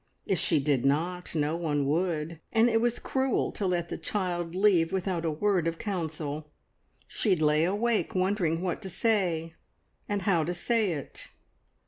If she did not, no one would, and it was cruel to let the child leave without a word of counsel. She lay awake wondering what to say and how to say it.